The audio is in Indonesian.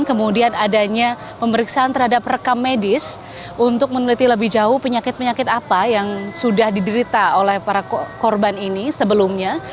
kemudian adanya pemeriksaan terhadap rekam medis untuk meneliti lebih jauh penyakit penyakit apa yang sudah diderita oleh para korban ini sebelumnya